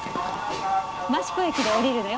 益子駅で降りるのよ。